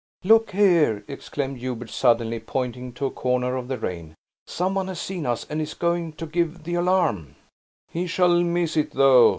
"Look there!" exclaimed Hubert, suddenly pointing to a corner of the rain. "Someone has seen us, and is going now to give the alarm." "He shall miss it, though!"